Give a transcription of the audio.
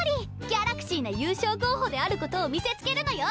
ギャラクシーな優勝候補であることを見せつけるのよ！